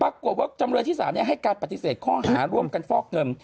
จำเลยที่๓ให้การปฏิเสธข้อหาร่วมกันฟอกเงิน